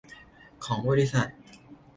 ของบริษัท